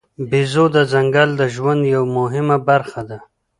بیزو د ځنګل د ژوند یوه مهمه برخه ده.